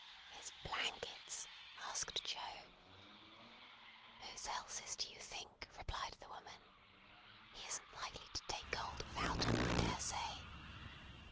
"His blankets?" asked Joe. "Whose else's do you think?" replied the woman. "He isn't likely to take cold without 'em, I dare say."